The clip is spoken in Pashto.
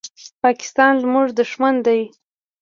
پاکستان زموږ دښمن ده.